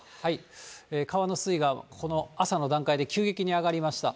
川の水位がこの朝の段階で急激に上がりました。